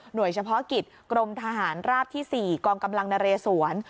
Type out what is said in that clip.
โดยเฉพาะกิจกรมทหารราบที่๔กองกำลังนเรสวน